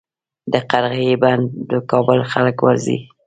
د قرغې بند د کابل خلک ورځي